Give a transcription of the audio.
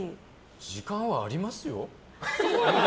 時間はありますよ。